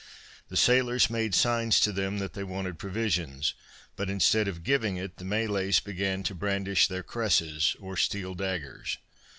The sailors made signs to them that they wanted provisions, but instead of giving it the Malays began to brandish their cresses or steel daggers.